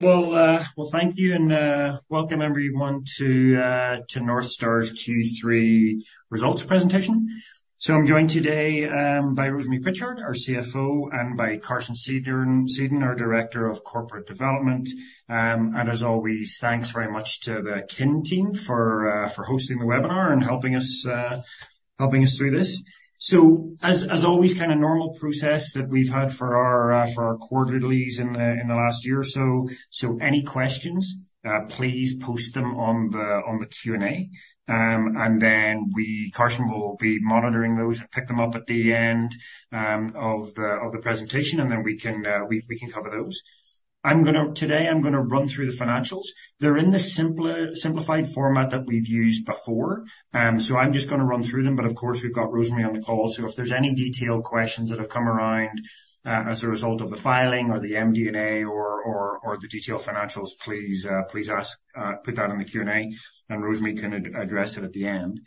Well, thank you, and welcome everyone to Northstar's Q3 results presentation. So I'm joined today by Rosemary Whalen, our CFO, and by Carson Sedun, our Director of Corporate Development. And as always, thanks very much to the Kin team for hosting the webinar and helping us through this. So as always, kind of normal process that we've had for our quarterlies in the last year or so, so any questions, please post them on the Q&A, and then we, Carson will be monitoring those and pick them up at the end of the presentation, and then we can cover those. Today, I'm gonna run through the financials. They're in the simplified format that we've used before. So I'm just gonna run through them, but of course, we've got Rosemary on the call, so if there's any detailed questions that have come around as a result of the filing or the MD&A or the detailed financials, please ask, put that in the Q&A, and Rosemary can address it at the end.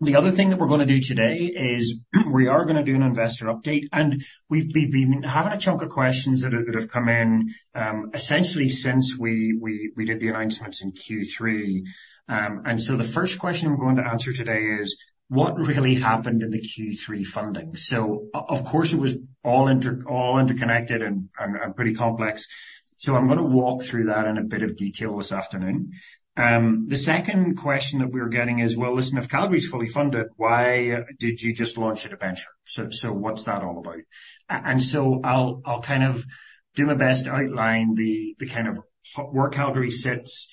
The other thing that we're gonna do today is we are gonna do an investor update, and we've had a chunk of questions that have come in essentially since we did the announcements in Q3. And so the first question I'm going to answer today is: What really happened in the Q3 funding? So of course, it was all interconnected and pretty complex. So I'm gonna walk through that in a bit of detail this afternoon. The second question that we're getting is: Well, listen, if Calgary is fully funded, why did you just launch a debenture? So what's that all about? And so I'll kind of do my best to outline the kind of where Calgary sits,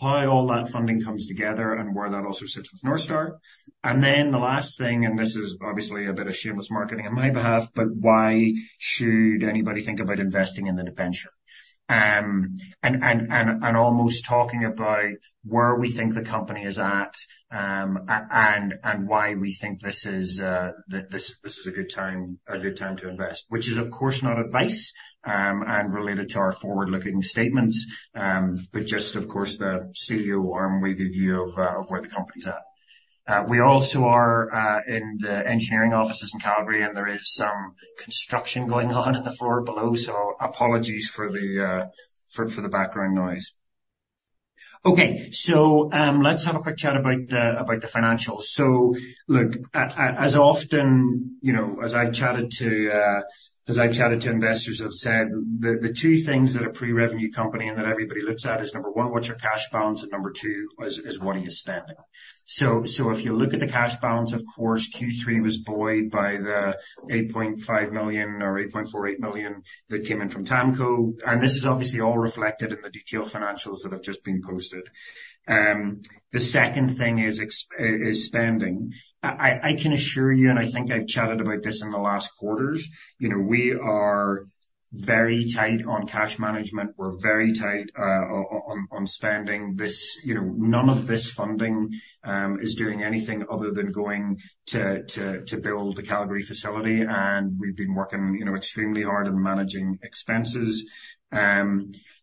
how all that funding comes together, and where that also sits with Northstar. And then the last thing, and this is obviously a bit of shameless marketing on my behalf, but why should anybody think about investing in the debenture? And almost talking about where we think the company is at, and why we think this is that this is a good time, a good time to invest. Which is, of course, not advice, and related to our forward-looking statements, but just, of course, the CEO arm-wavy view of, of where the company's at. We also are in the engineering offices in Calgary, and there is some construction going on in the floor below, so apologies for the, for the background noise. Okay. So, let's have a quick chat about the, about the financials. So look, as often, you know, as I've chatted to, as I've chatted to investors, I've said the, the two things that a pre-revenue company and that everybody looks at is, number one, what's your cash balance? And number two is, is what are you spending? So, if you look at the cash balance, of course, Q3 was buoyed by the $8.5 million or $8.48 million that came in from TAMKO, and this is obviously all reflected in the detailed financials that have just been posted. The second thing is spending. I can assure you, and I think I've chatted about this in the last quarters, you know, we are very tight on cash management. We're very tight on spending. This, you know, none of this funding is doing anything other than going to build a Calgary facility, and we've been working, you know, extremely hard on managing expenses.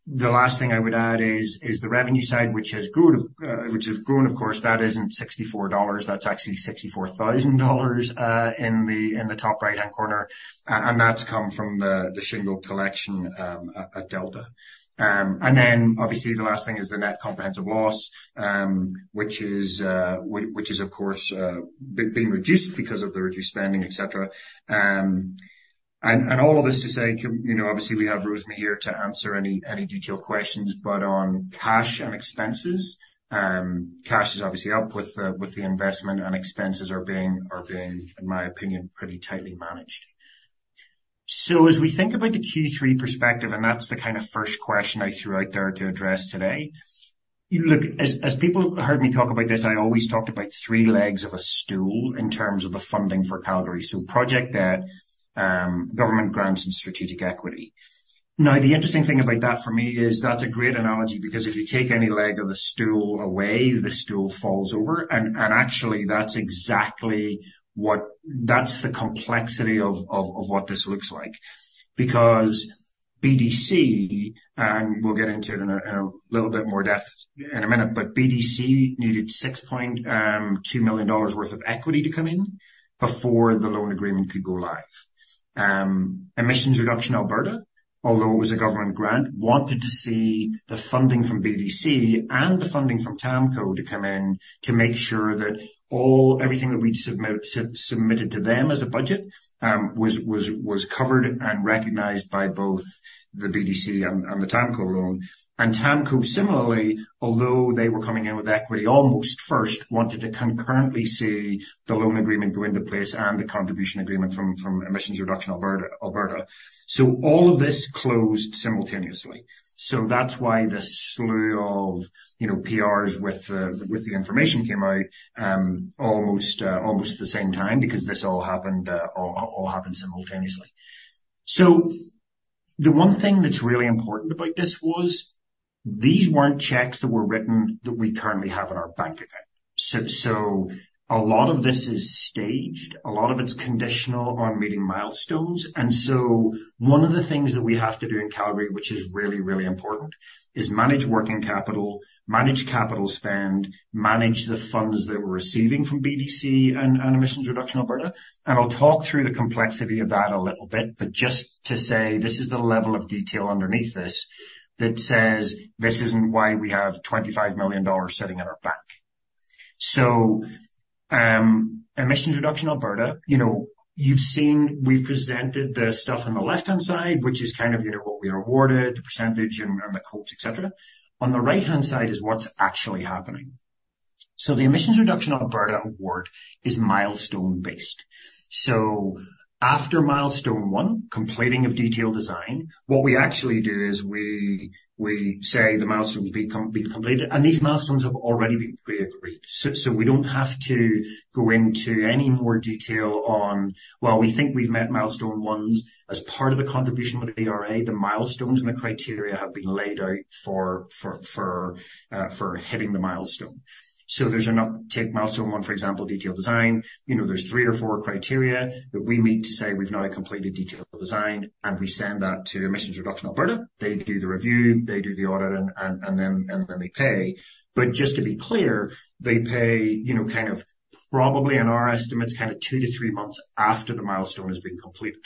The last thing I would add is the revenue side, which has grown, which has grown, of course, that isn't 64 dollars, that's actually 64,000 dollars in the top right-hand corner, and that's come from the shingle collection at Delta. And then, obviously, the last thing is the net comprehensive loss, which is, which is, of course, being reduced because of the reduced spending, et cetera. And all of this to say, you know, obviously, we have Rosemary here to answer any detailed questions, but on cash and expenses, cash is obviously up with the investment, and expenses are being, are being, in my opinion, pretty tightly managed. So as we think about the Q3 perspective, and that's the kind of first question I threw out there to address today, look, as people heard me talk about this, I always talked about three legs of a stool in terms of the funding for Calgary. Project debt, government grants, and strategic equity. Now, the interesting thing about that for me is that's a great analogy because if you take any leg of a stool away, the stool falls over, and actually, that's exactly what... That's the complexity of what this looks like. Because BDC, and we'll get into it in a little bit more depth in a minute, but BDC needed 6.2 million dollars worth of equity to come in before the loan agreement could go live. Emissions Reduction Alberta, although it was a government grant, wanted to see the funding from BDC and the funding from TAMKO to come in to make sure that everything that we'd submitted to them as a budget was covered and recognized by both the BDC and the TAMKO loan. And TAMKO, similarly, although they were coming in with equity, almost first wanted to concurrently see the loan agreement go into place and the contribution agreement from Emissions Reduction Alberta. So all of this closed simultaneously. So that's why the slew of, you know, PRs with the information came out almost at the same time, because this all happened simultaneously. So the one thing that's really important about this was, these weren't checks that were written that we currently have in our bank account. So, so a lot of this is staged, a lot of it's conditional on meeting milestones. And so one of the things that we have to do in Calgary, which is really, really important, is manage working capital, manage capital spend, manage the funds that we're receiving from BDC and, and Emissions Reduction Alberta. And I'll talk through the complexity of that a little bit, but just to say this is the level of detail underneath this that says this isn't why we have 25 million dollars sitting in our bank. So, Emissions Reduction Alberta, you know, you've seen, we've presented the stuff on the left-hand side, which is kind of, you know, what we awarded, the percentage and the quotes, et cetera. On the right-hand side is what's actually happening. So the Emissions Reduction Alberta award is milestone-based. So after milestone one, completing of detailed design, what we actually do is we say the milestone's been completed, and these milestones have already been pre-agreed. So we don't have to go into any more detail on, well, we think we've met milestone one as part of the contribution with ERA, the milestones and the criteria have been laid out for hitting the milestone. So there's another... Take milestone one, for example, detailed design. You know, there's three or four criteria that we meet to say we've now completed detailed design, and we send that to Emissions Reduction Alberta. They do the review, they do the audit, and then they pay. But just to be clear, they pay, you know, kind of probably in our estimates, kind of two to three months after the milestone has been completed.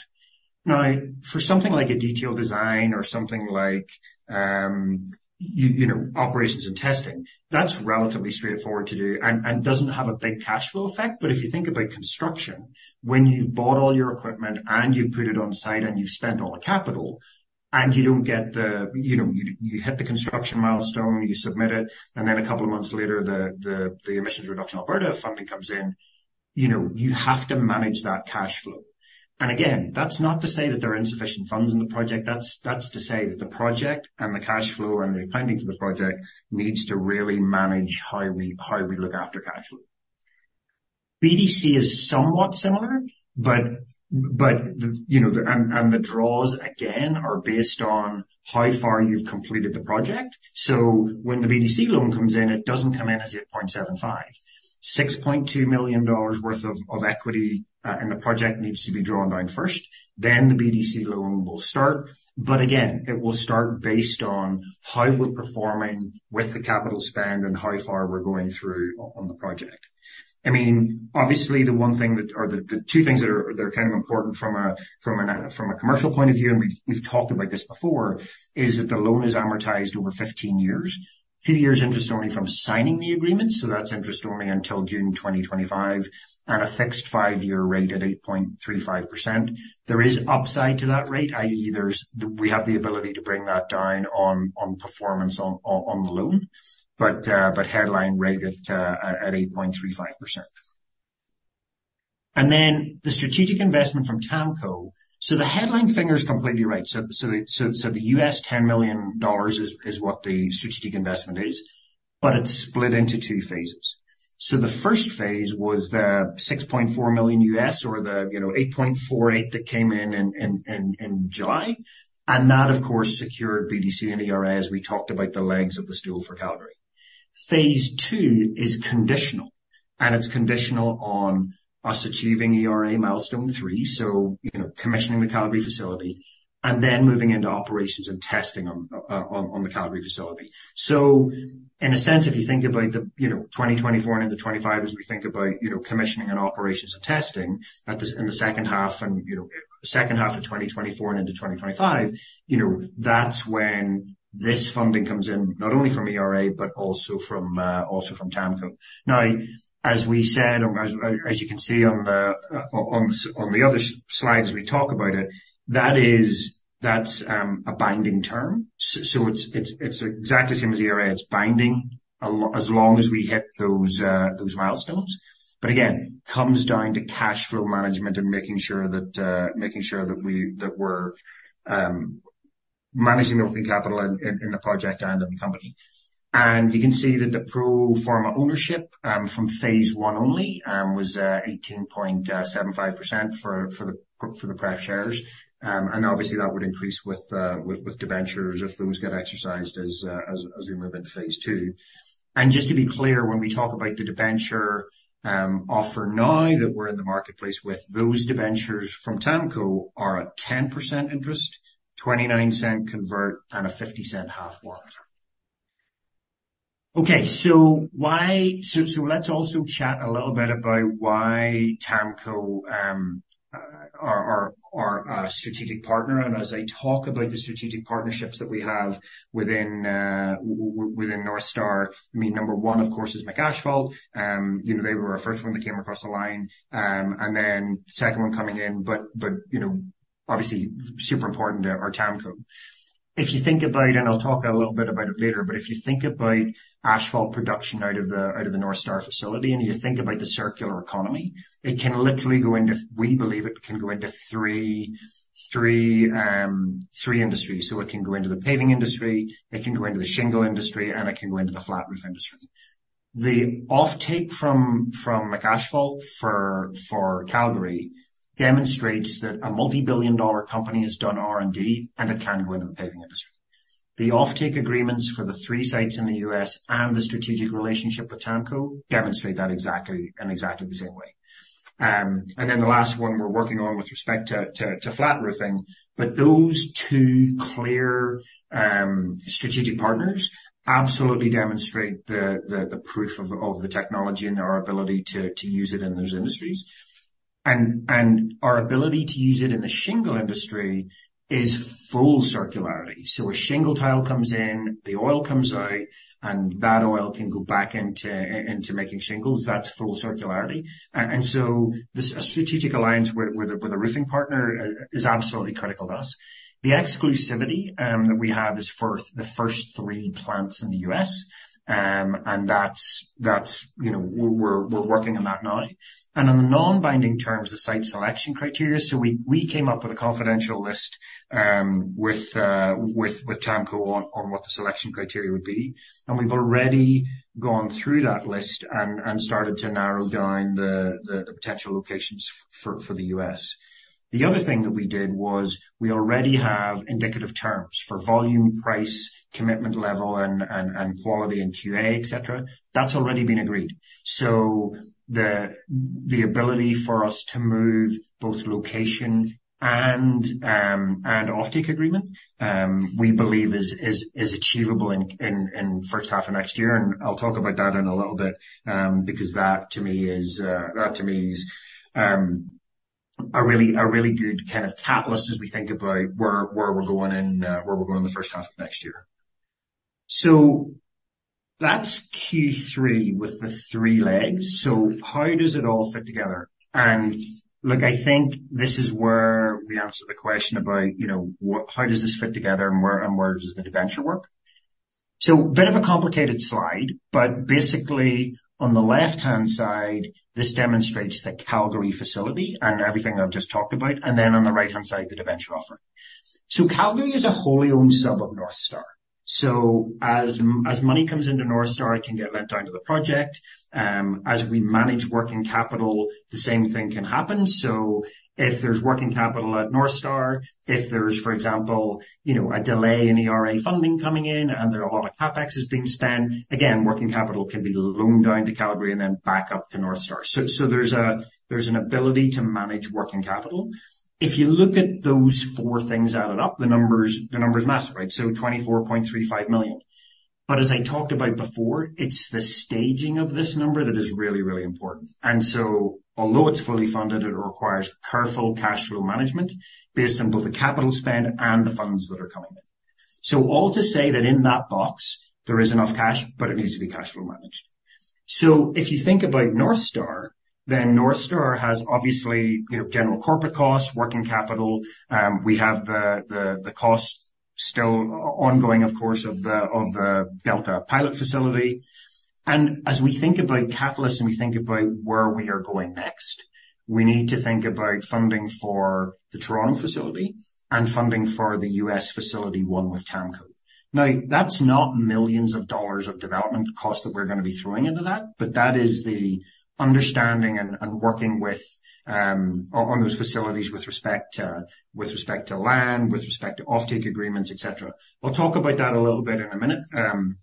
Now, for something like a detailed design or something like, you know, operations and testing, that's relatively straightforward to do and doesn't have a big cash flow effect. But if you think about construction, when you've bought all your equipment and you've put it on site, and you've spent all the capital, and you don't get the... You know, you hit the construction milestone, you submit it, and then a couple of months later, the Emissions Reduction Alberta funding comes in, you know, you have to manage that cash flow. And again, that's not to say that there are insufficient funds in the project. That's, that's to say that the project and the cash flow and the funding for the project needs to really manage how we, how we look after cash flow. BDC is somewhat similar, but, you know, and the draws again, are based on how far you've completed the project. So when the BDC loan comes in, it doesn't come in as 8.75 million. 6.2 million dollars worth of equity in the project needs to be drawn down first, then the BDC loan will start. But again, it will start based on how we're performing with the capital spend and how far we're going through on the project. I mean, obviously, the one thing that... or the two things that are kind of important from a commercial point of view, and we've talked about this before, is that the loan is amortized over 15 years, 2 years interest only from signing the agreement, so that's interest only until June 2025, and a fixed 5-year rate at 8.35%. There is upside to that rate, i.e., there's we have the ability to bring that down on performance on the loan, but headline rate at 8.35%. And then the strategic investment from TAMKO. So the headline figure is completely right. So the US $10 million is what the strategic investment is, but it's split into two phases. So the first phase was the $6.4 million US or the, you know, 8.48 million that came in in July, and that of course, secured BDC and ERA, as we talked about the legs of the stool for Calgary. Phase two is conditional, and it's conditional on us achieving ERA milestone three. So, you know, commissioning the Calgary facility and then moving into operations and testing on the Calgary facility. So in a sense, if you think about the, you know, 2024 and into 2025, as we think about, you know, commissioning and operations and testing at this, in the second half and, you know, second half of 2024 and into 2025, you know, that's when this funding comes in, not only from ERA, but also from TAMKO. Now, as we said, or as you can see on the other slides, we talk about it, that is, that's a binding term. So it's exactly the same as ERA. It's binding, as long as we hit those milestones. But again, it comes down to cash flow management and making sure that we're managing the working capital in the project and in the company. And you can see that the pro forma ownership from phase one only was 18.75% for the pref shares. And obviously, that would increase with debentures if those get exercised as we move into phase two. And just to be clear, when we talk about the debenture offer now that we're in the marketplace with those debentures from TAMKO are a 10% interest, 29-cent convert, and a 50-cent half warrant. Okay, so let's also chat a little bit about why TAMKO are a strategic partner. And as I talk about the strategic partnerships that we have within Northstar, I mean, number one, of course, is McAsphalt. You know, they were our first one that came across the line, and then second one coming in, but, you know, obviously super important are TAMKO. If you think about it, and I'll talk a little bit about it later, but if you think about asphalt production out of the, out of the Northstar facility, and you think about the circular economy, it can literally go into, we believe it can go into three, three, three industries. So it can go into the paving industry, it can go into the shingle industry, and it can go into the flat roof industry. The offtake from, from McAsphalt for, for Calgary demonstrates that a multi-billion dollar company has done R&D, and it can go in the paving industry. The offtake agreements for the three sites in the U.S. and the strategic relationship with TAMKO demonstrate that exactly, in exactly the same way. And then the last one we're working on with respect to flat roofing, but those two clear strategic partners absolutely demonstrate the proof of the technology and our ability to use it in those industries. And our ability to use it in the shingle industry is full circularity. So a shingle tile comes in, the oil comes out, and that oil can go back into making shingles. That's full circularity. And so this, a strategic alliance with a roofing partner is absolutely critical to us. The exclusivity that we have is for the first three plants in the U.S., and that's, you know, we're working on that now. On the non-binding terms, the site selection criteria, so we came up with a confidential list with TAMKO on what the selection criteria would be. And we've already gone through that list and started to narrow down the potential locations for the US. The other thing that we did was we already have indicative terms for volume, price, commitment level, and quality and QA, et cetera. That's already been agreed. So the ability for us to move both location and offtake agreement, we believe is achievable in first half of next year, and I'll talk about that in a little bit, because that to me is a really good kind of catalyst as we think about where we're going in the first half of next year. So that's Q3 with the three legs. So how does it all fit together? Look, I think this is where we answer the question about, you know, how does this fit together and where does the debenture work? So bit of a complicated slide, but basically on the left-hand side, this demonstrates the Calgary facility and everything I've just talked about, and then on the right-hand side, the debenture offer. So Calgary is a wholly owned sub of Northstar. So as money comes into Northstar, it can get lent down to the project. As we manage working capital, the same thing can happen. So if there's working capital at Northstar, if there's, for example, you know, a delay in ERA funding coming in and there are a lot of CapEx being spent, again, working capital can be loaned down to Calgary and then back up to Northstar. So there's an ability to manage working capital. If you look at those four things added up, the numbers, the numbers massive, right? So 24.35 million. But as I talked about before, it's the staging of this number that is really, really important. And so although it's fully funded, it requires careful cash flow management based on both the capital spend and the funds that are coming in. So all to say that in that box, there is enough cash, but it needs to be cash flow managed. So if you think about Northstar, then Northstar has obviously, you know, general corporate costs, working capital, we have the cost still ongoing, of course, of the Delta pilot facility. And as we think about catalysts and we think about where we are going next, we need to think about funding for the Toronto facility and funding for the U.S. facility one with TAMKO. Now, that's not millions dollars of development costs that we're gonna be throwing into that, but that is the understanding and working with on those facilities with respect to land, with respect to offtake agreements, et cetera. I'll talk about that a little bit in a minute,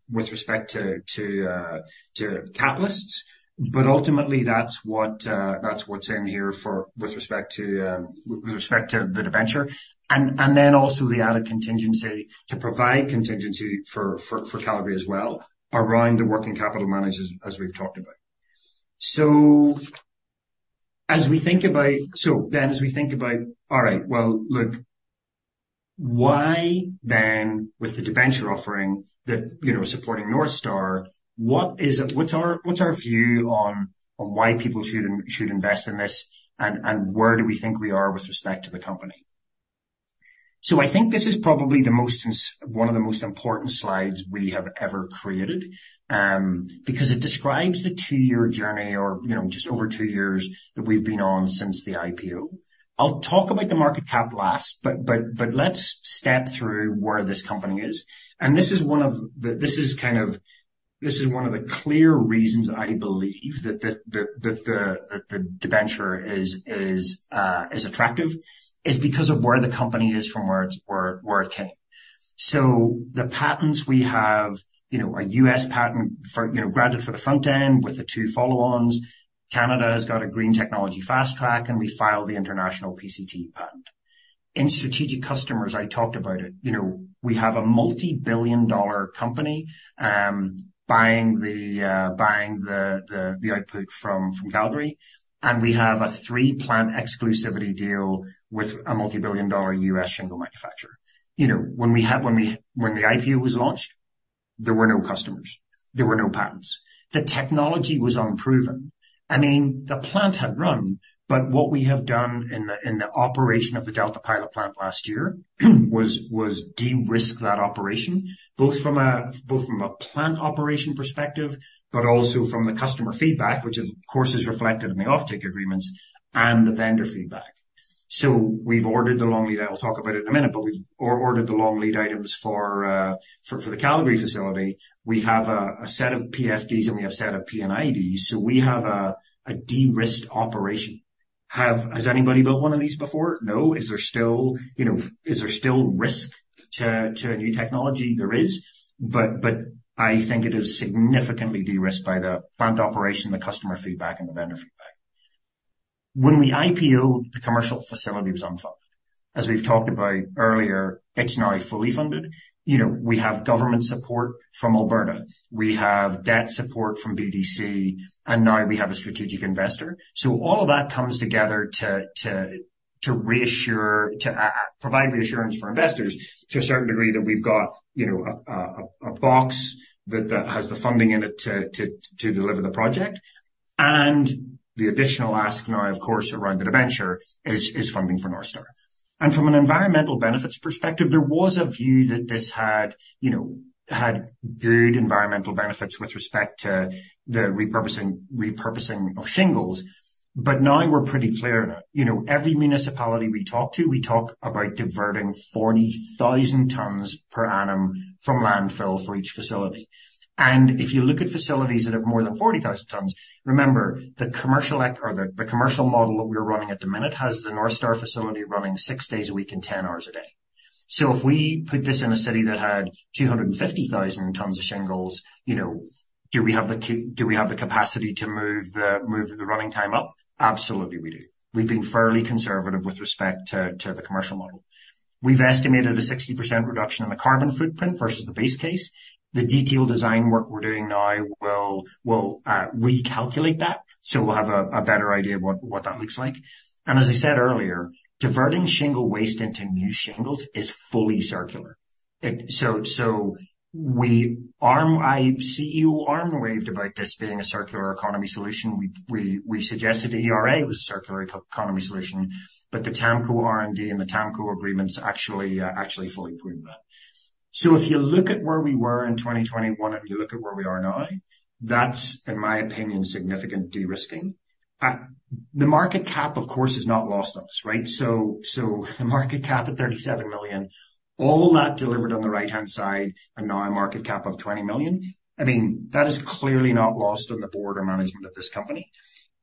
with respect to catalysts, but ultimately, that's what's in here for, with respect to the debenture, and then also the added contingency to provide contingency for Calgary as well around the working capital management as we've talked about. So as we think about... So then, as we think about, all right, well, look, why then with the debenture offering that, you know, supporting Northstar, what is it, what's our, what's our view on, on why people should invest in this, and where do we think we are with respect to the company? So I think this is probably one of the most important slides we have ever created, because it describes the two-year journey or, you know, just over two years that we've been on since the IPO. I'll talk about the market cap last, but let's step through where this company is. And this is one of the clear reasons I believe that the debenture is attractive, is because of where the company is from, where it's from, where it came. So the patents we have, you know, a U.S. patent, you know, granted for the front end with the two follow-ons. Canada has got a green technology fast track, and we filed the international PCT patent. In strategic customers, I talked about it, you know, we have a multi-billion dollar company buying the output from Calgary, and we have a three-plant exclusivity deal with a multi-billion dollar U.S. shingle manufacturer. You know, when the IPO was launched, there were no customers, there were no patents. The technology was unproven. I mean, the plant had run, but what we have done in the operation of the Delta pilot plant last year was de-risk that operation, both from a plant operation perspective, but also from the customer feedback, which of course is reflected in the offtake agreements and the vendor feedback. So we've ordered the long lead, I'll talk about it in a minute, but we've ordered the long lead items for the Calgary facility. We have a set of PFDs, and we have a set of P&IDs, so we have a de-risked operation. Has anybody built one of these before? No. Is there still, you know, is there still risk to a new technology? There is, but I think it is significantly de-risked by the plant operation, the customer feedback, and the vendor feedback. When we IPO, the commercial facility was on fire... as we've talked about earlier, it's now fully funded. You know, we have government support from Alberta. We have debt support from BDC, and now we have a strategic investor. So all of that comes together to reassure, to provide reassurance for investors to a certain degree that we've got, you know, a box that has the funding in it to deliver the project. And the additional ask now, of course, around the debenture is funding for Northstar. And from an environmental benefits perspective, there was a view that this had, you know, had good environmental benefits with respect to the repurposing of shingles. But now we're pretty clear. You know, every municipality we talk to, we talk about diverting 40,000 tons per annum from landfill for each facility. If you look at facilities that have more than 40,000 tons, remember, the commercial model that we're running at the minute has the Northstar facility running six days a week and 10 hours a day. So if we put this in a city that had 250,000 tons of shingles, you know, do we have the capacity to move the running time up? Absolutely, we do. We've been fairly conservative with respect to the commercial model. We've estimated a 60% reduction in the carbon footprint versus the base case. The detailed design work we're doing now will recalculate that, so we'll have a better idea of what that looks like. And as I said earlier, diverting shingle waste into new shingles is fully circular. I see you arm waved about this being a circular economy solution. We suggested ERA was a circular economy solution, but the TAMKO R&D and the TAMKO agreements actually actually fully proved that. So if you look at where we were in 2021, and you look at where we are now, that's, in my opinion, significant de-risking. The market cap, of course, has not lost us, right? So the market cap at 37 million, all that delivered on the right-hand side and now a market cap of 20 million. I mean, that is clearly not lost on the board or management of this company.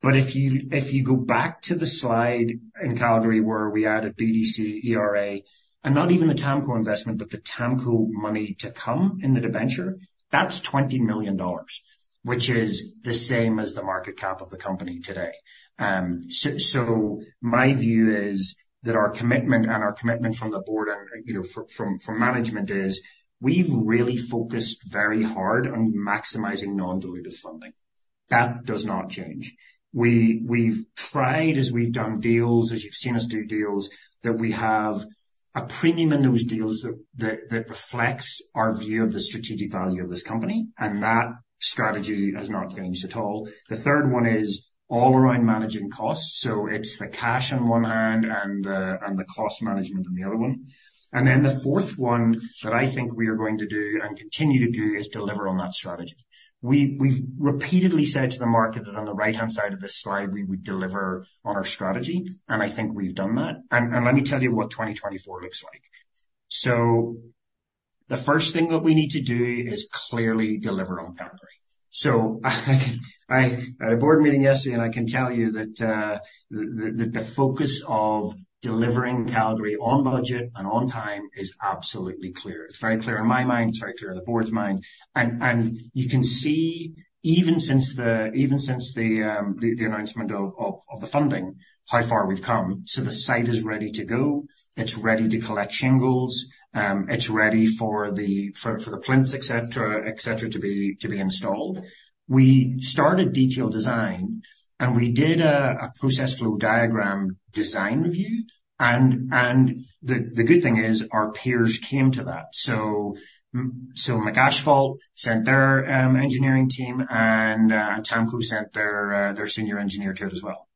But if you, if you go back to the slide in Calgary, where we added BDC, ERA, and not even the TAMKO investment, but the TAMKO money to come in the debenture, that's $20 million, which is the same as the market cap of the company today. So my view is that our commitment and our commitment from the board and, you know, from management is we've really focused very hard on maximizing non-dilutive funding. That does not change. We've tried, as we've done deals, as you've seen us do deals, that we have a premium in those deals that reflects our view of the strategic value of this company, and that strategy has not changed at all. The third one is all around managing costs, so it's the cash on one hand and the cost management on the other one. And then the fourth one that I think we are going to do and continue to do is deliver on that strategy. We've repeatedly said to the market that on the right-hand side of this slide, we would deliver on our strategy, and I think we've done that. And let me tell you what 2024 looks like. So the first thing that we need to do is clearly deliver on Calgary. So I had a board meeting yesterday, and I can tell you that the focus of delivering Calgary on budget and on time is absolutely clear. It's very clear in my mind. It's very clear in the board's mind, and you can see, even since the announcement of the funding, how far we've come. So the site is ready to go. It's ready to collect shingles. It's ready for the plinths, et cetera, et cetera, to be installed. We started detailed design, and we did a process flow diagram design review, and the good thing is our peers came to that. So McAsphalt sent their engineering team, and TAMKO sent their senior engineer to it as well.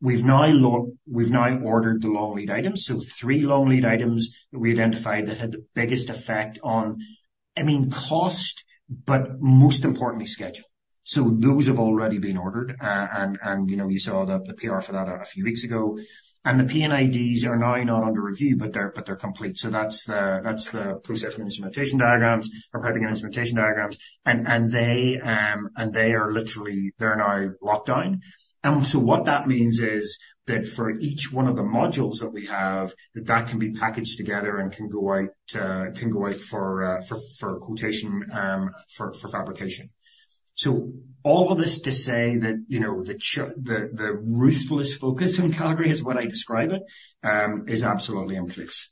We've now ordered the long lead items. So 3 long lead items that we identified that had the biggest effect on, I mean, cost, but most importantly, schedule. So those have already been ordered. And you know, you saw the PR for that a few weeks ago, and the P&IDs are now not under review, but they're complete. So that's the process and instrumentation diagrams. They are literally, they're now locked down. So what that means is that for each one of the modules that we have, that can be packaged together and can go out for quotation for fabrication. So all of this to say that, you know, the ruthless focus on Calgary is what I describe it is absolutely in place.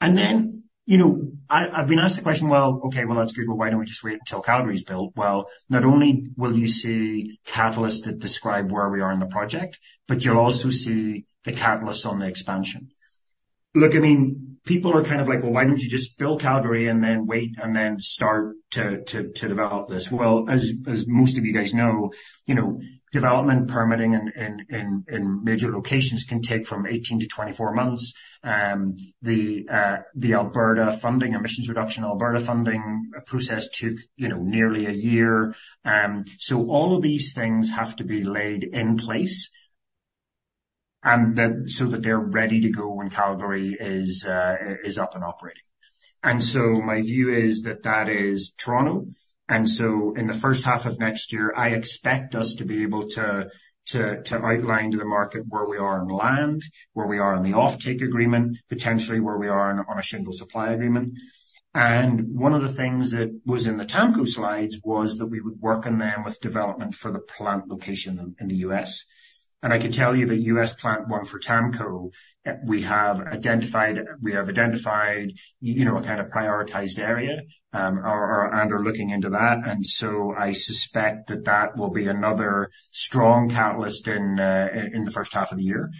And then, you know, I've been asked the question, "Well, okay, well, that's good, but why don't we just wait until Calgary's built?" Well, not only will you see catalysts that describe where we are in the project, but you'll also see the catalysts on the expansion. Look, I mean, people are kind of like, "Well, why don't you just build Calgary and then wait and then start to develop this?" Well, as most of you guys know, you know, development, permitting in major locations can take from 18-24 months. The Alberta funding, Emissions Reduction Alberta funding process took, you know, nearly a year. So all of these things have to be laid in place, and then so that they're ready to go when Calgary is up and operating. And so my view is that that is Toronto. And so in the first half of next year, I expect us to be able to outline to the market where we are on land, where we are on the offtake agreement, potentially where we are on a shingle supply agreement. One of the things that was in the TAMKO slides was that we would work on them with development for the plant location in the U.S. I can tell you that U.S. plant one for TAMKO, we have identified, you know, a kind of prioritized area and are looking into that. So I suspect that that will be another strong catalyst in the first half of the year.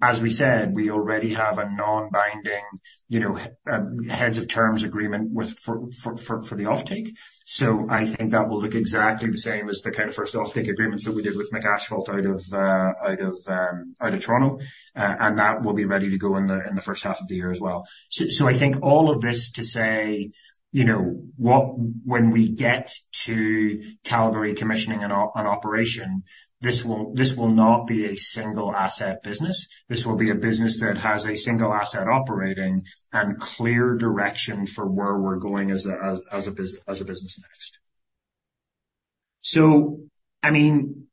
As we said, we already have a non-binding, you know, heads of terms agreement with for the offtake. I think that will look exactly the same as the kind of first offtake agreements that we did with McAsphalt out of Toronto, and that will be ready to go in the first half of the year as well. So, I think all of this to say, you know, what, when we get to Calgary commissioning and operation, this will not be a single asset business. This will be a business that has a single asset operating and clear direction for where we're going as a business next. So I mean,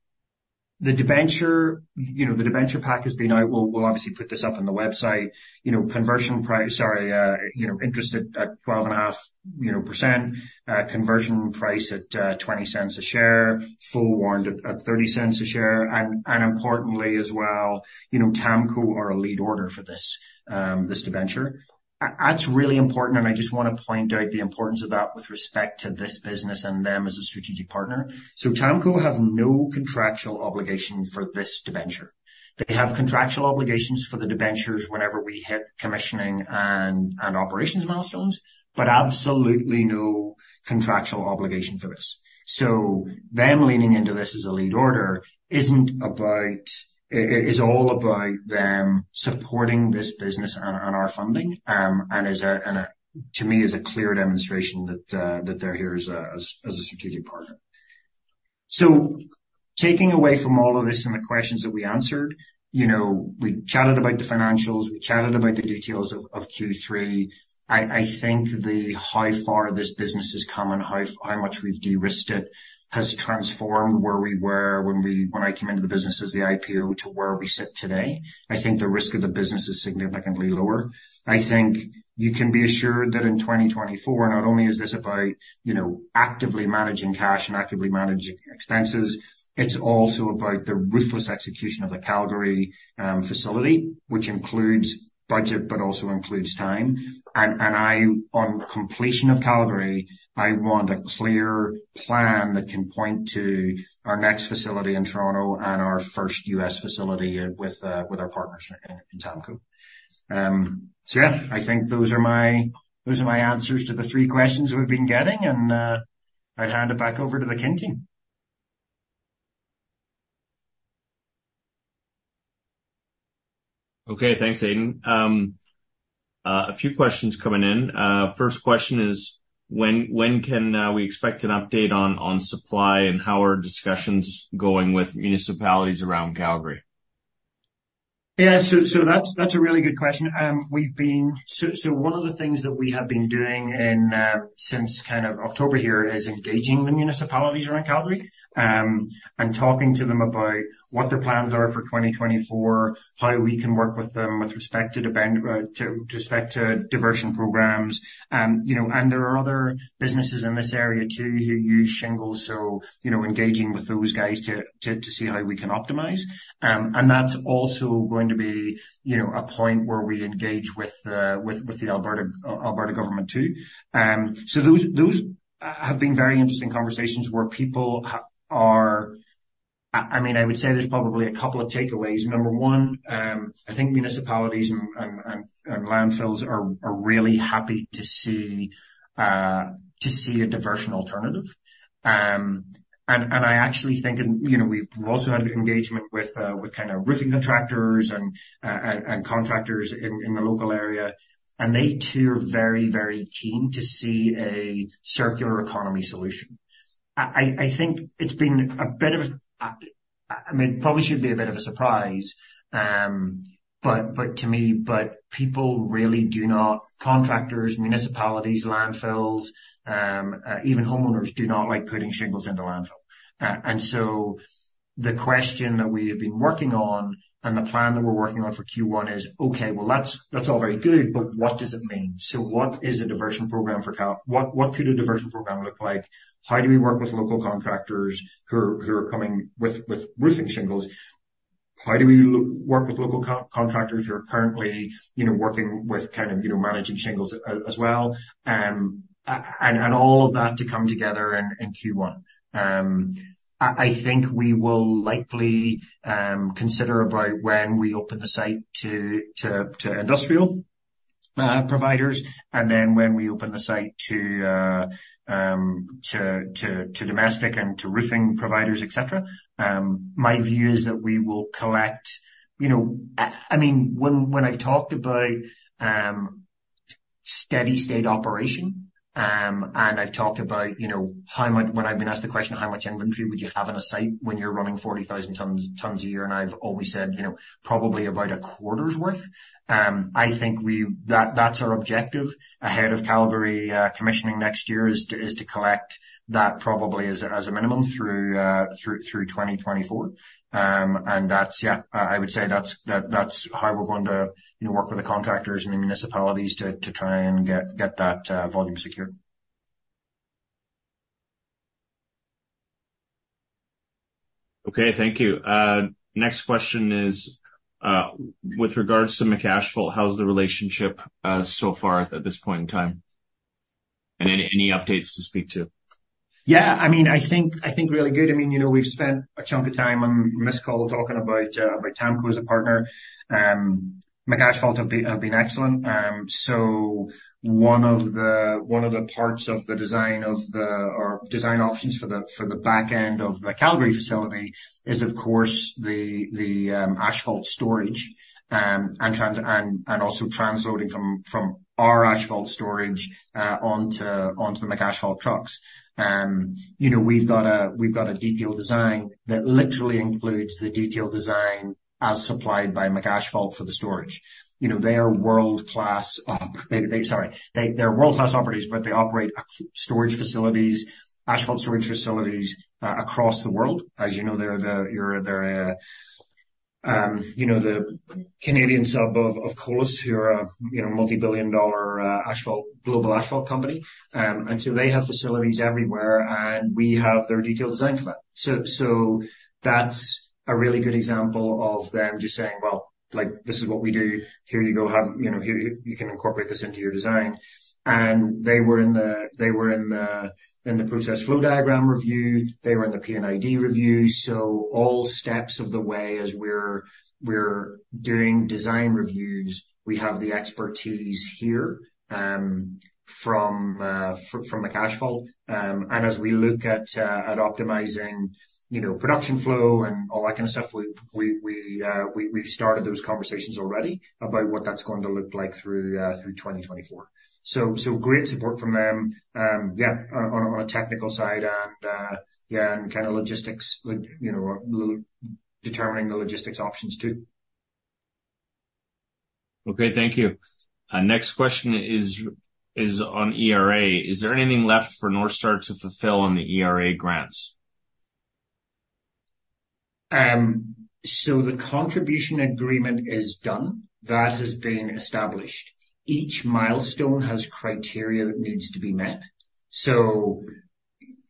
the debenture, you know, the debenture pack has been out. We'll obviously put this up on the website. You know, conversion price. Sorry, you know, interest at 12.5%, conversion price at 0.20 a share, full warrant at 0.30 a share. And importantly as well, you know, TAMKO are a lead order for this debenture. That's really important, and I just want to point out the importance of that with respect to this business and them as a strategic partner. So Tamko have no contractual obligation for this debenture. They have contractual obligations for the debentures whenever we hit commissioning and operations milestones, but absolutely no contractual obligation for this. So them leaning into this as a lead order isn't about... it is all about them supporting this business and our funding, and is a, and a, to me, is a clear demonstration that, that they're here as a, as, as a strategic partner. So taking away from all of this and the questions that we answered, you know, we chatted about the financials, we chatted about the details of, of Q3. I think how far this business has come and how much we've de-risked it has transformed where we were when I came into the business as the IPO to where we sit today. I think the risk of the business is significantly lower. I think you can be assured that in 2024, not only is this about, you know, actively managing cash and actively managing expenses, it's also about the ruthless execution of the Calgary facility, which includes budget, but also includes time. And on completion of Calgary, I want a clear plan that can point to our next facility in Toronto and our first U.S. facility with our partners in TAMKO. So yeah, I think those are my, those are my answers to the three questions we've been getting, and I'd hand it back over to the Kin team. Okay, thanks, Aidan. A few questions coming in. First question is, when can we expect an update on supply, and how are discussions going with municipalities around Calgary? Yeah, so that's a really good question. We've been. So one of the things that we have been doing since kind of October here is engaging the municipalities around Calgary and talking to them about what their plans are for 2024, how we can work with them with respect to the bend with respect to diversion programs. You know, and there are other businesses in this area, too, who use shingles, so you know, engaging with those guys to see how we can optimize. And that's also going to be you know, a point where we engage with the Alberta government too. So those have been very interesting conversations where people are. I mean, I would say there's probably a couple of takeaways. Number one, I think municipalities and landfills are really happy to see a diversion alternative. And I actually think, and, you know, we've also had engagement with kind of roofing contractors and contractors in the local area, and they too are very, very keen to see a circular economy solution. I think it's been a bit of a, I mean, probably shouldn't be a bit of a surprise, but to me, people really do not... contractors, municipalities, landfills, even homeowners do not like putting shingles into landfill. And so the question that we have been working on and the plan that we're working on for Q1 is, okay, well, that's all very good, but what does it mean? So what is a diversion program for Cal? What could a diversion program look like? How do we work with local contractors who are coming with roofing shingles? How do we work with local contractors who are currently, you know, working with kind of, you know, managing shingles as well? And all of that to come together in Q1. I think we will likely consider about when we open the site to industrial providers, and then when we open the site to domestic and to roofing providers, et cetera. My view is that we will collect, you know, I mean, when I've talked about steady state operation, and I've talked about, you know, how much... When I've been asked the question, "How much inventory would you have on a site when you're running 40,000 tons a year?" And I've always said, "You know, probably about a quarter's worth." I think that, that's our objective ahead of Calgary commissioning next year, is to collect that probably as a minimum through 2024. And that's, yeah, I would say that's, that's how we're going to, you know, work with the contractors and the municipalities to try and get that volume secure.... Okay, thank you. Next question is, with regards to McAsphalt, how's the relationship, so far at this point in time? And any updates to speak to? Yeah, I mean, I think really good. I mean, you know, we've spent a chunk of time on this call talking about about TAMKO as a partner. McAsphalt have been excellent. So one of the parts of the design of the or design options for the back end of the Calgary facility is, of course, the asphalt storage and also transloading from our asphalt storage onto the McAsphalt trucks. You know, we've got a detailed design that literally includes the detailed design as supplied by McAsphalt for the storage. You know, Sorry, they're world-class operators, but they operate storage facilities, asphalt storage facilities across the world. As you know, they're the Canadian sub of Colas, who are a you know, multi-billion dollar asphalt global asphalt company. And so they have facilities everywhere, and we have their detailed design for that. So that's a really good example of them just saying, "Well, like, this is what we do. Here you go, have, you know, here you can incorporate this into your design." And they were in the process flow diagram review, they were in the P&ID review. So all steps of the way as we're doing design reviews, we have the expertise here from McAsphalt. And as we look at optimizing, you know, production flow and all that kind of stuff, we've started those conversations already about what that's going to look like through 2024. So great support from them, yeah, on a technical side, and yeah, and kind of logistics, you know, determining the logistics options too. Okay, thank you. Next question is on ERA. Is there anything left for Northstar to fulfill on the ERA grants? So the contribution agreement is done. That has been established. Each milestone has criteria that needs to be met. So,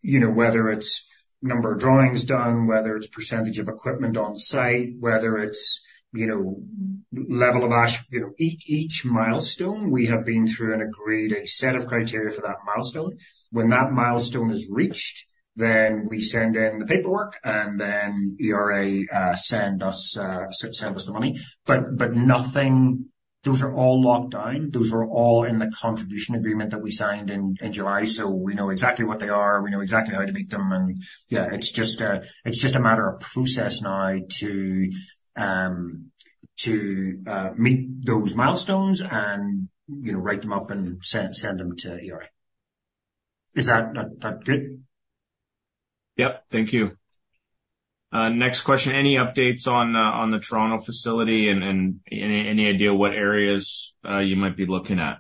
you know, whether it's number of drawings done, whether it's percentage of equipment on site, whether it's, you know, level of ash, you know, each, each milestone, we have been through and agreed a set of criteria for that milestone. When that milestone is reached, then we send in the paperwork, and then ERA send us send us the money. But, but nothing... Those are all locked down. Those are all in the contribution agreement that we signed in, in July. So we know exactly what they are, we know exactly how to meet them, and, yeah, it's just a, it's just a matter of process now to, to, meet those milestones and, you know, write them up and send, send them to ERA. Is that good? Yep. Thank you. Next question: Any updates on the Toronto facility and any idea what areas you might be looking at?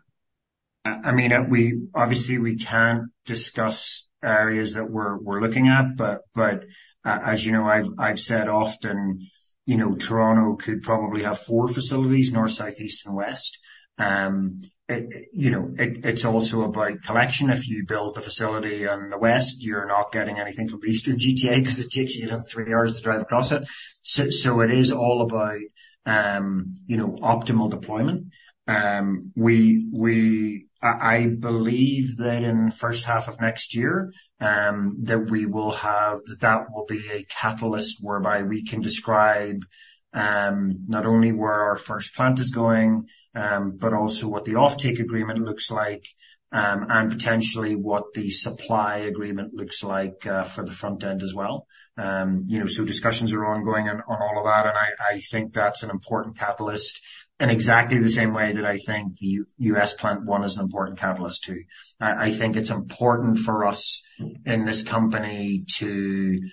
I mean, we obviously can't discuss areas that we're looking at, but as you know, I've said often, you know, Toronto could probably have four facilities: north, south, east, and west. You know, it's also about collection. If you build a facility on the west, you're not getting anything from the eastern GTA because it takes you three hours to drive across it. So it is all about, you know, optimal deployment. I believe that in the first half of next year, that we will have that will be a catalyst whereby we can describe not only where our first plant is going, but also what the offtake agreement looks like, and potentially what the supply agreement looks like, for the front end as well. You know, so discussions are ongoing on all of that, and I think that's an important catalyst in exactly the same way that I think the U.S. plant one is an important catalyst, too. I think it's important for us in this company to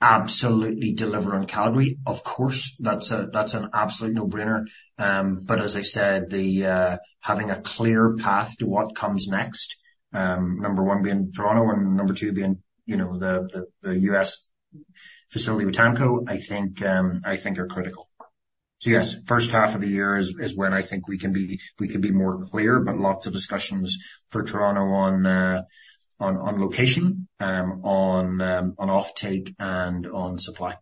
absolutely deliver on Calgary. Of course, that's an absolute no-brainer. But as I said, having a clear path to what comes next, number one being Toronto, and number two being, you know, the U.S. facility with TAMKO, I think are critical. So yes, first half of the year is when I think we can be more clear, but lots of discussions for Toronto on location, on offtake and on supply.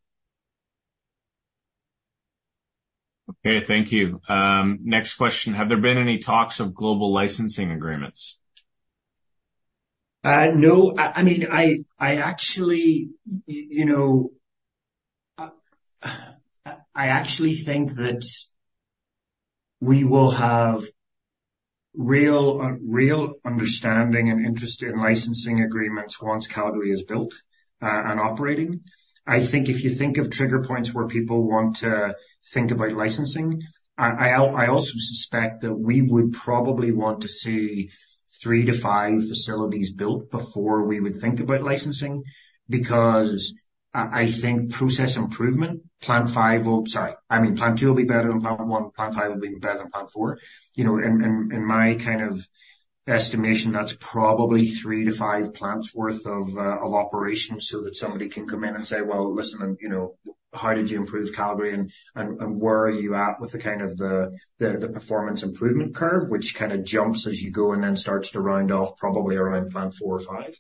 Okay, thank you. Next question: Have there been any talks of global licensing agreements? No, I mean, I actually, you know, I actually think that we will have real, real understanding and interest in licensing agreements once Calgary is built, and operating. I think if you think of trigger points where people want to think about licensing, I also suspect that we would probably want to see 3-5 facilities built before we would think about licensing, because I think process improvement, plant 5 will, sorry, I mean, plant 2 will be better than plant 1, plant 5 will be better than plant 4. You know, in my kind of estimation, that's probably 3-5 plants worth of operation, so that somebody can come in and say, "Well, listen, you know, how did you improve Calgary, and where are you at with the kind of the performance improvement curve?" Which kind of jumps as you go and then starts to round off probably around plant 4 or 5.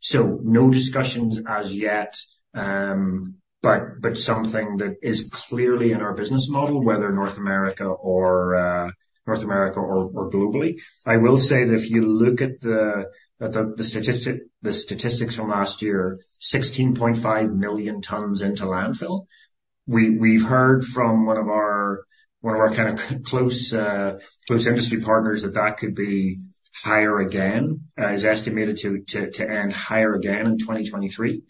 So no discussions as yet, but something that is clearly in our business model, whether North America or North America or globally. I will say that if you look at the statistics from last year, 16.5 million tons into landfill. We've heard from one of our, one of our kind of close, close industry partners, that that could be higher again, is estimated to end higher again in 2023.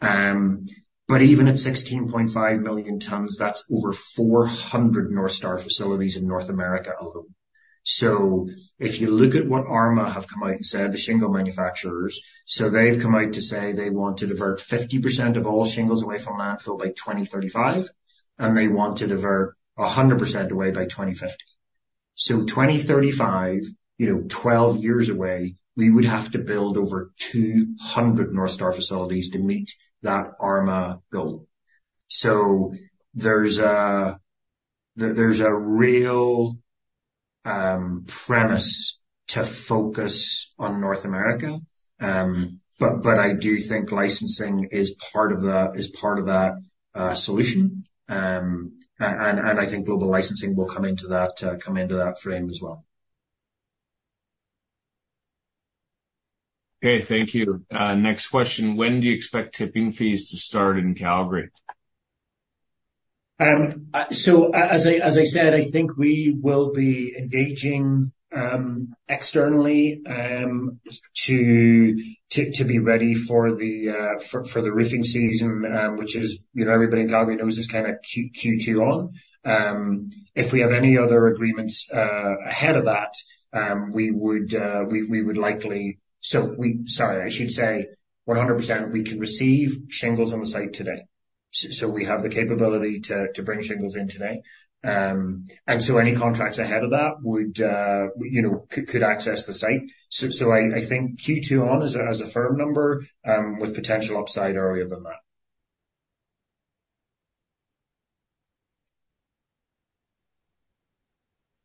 But even at 16.5 million tons, that's over 400 North Star facilities in North America alone. So if you look at what ARMA have come out and said, the shingle manufacturers, so they've come out to say they want to divert 50% of all shingles away from landfill by 2035, and they want to divert 100% away by 2050. So 2035, you know, 12 years away, we would have to build over 200 North Star facilities to meet that ARMA goal. So there's a, there's a real, premise to focus on North America. But I do think licensing is part of that solution. And I think global licensing will come into that frame as well. Okay, thank you. Next question: When do you expect tipping fees to start in Calgary? So as I said, I think we will be engaging externally to be ready for the roofing season, which is, you know, everybody in Calgary knows is kind of Q2 on. If we have any other agreements ahead of that, we would likely... Sorry, I should say 100%, we can receive shingles on the site today. So we have the capability to bring shingles in today. And so any contracts ahead of that would, you know, could access the site. So I think Q2 on as a firm number with potential upside earlier than that.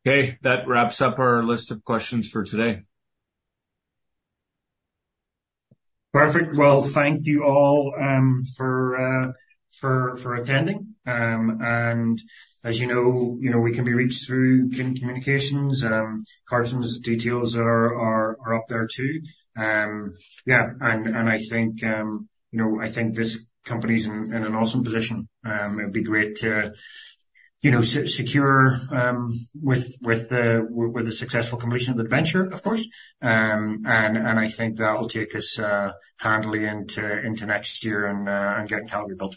Okay, that wraps up our list of questions for today. Perfect. Well, thank you all for attending. And as you know, you know, we can be reached through communications. Carson's details are up there too. Yeah, and I think, you know, I think this company's in an awesome position. It'll be great to, you know, secure, with the successful completion of the venture, of course. And I think that will take us handily into next year and getting Calgary built.